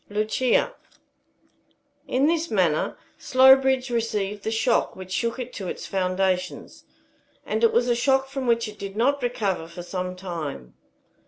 LUCIA. In this manner Slowbridge received the shock which shook it to its foundations, and it was a shock from which it did not recover for some time.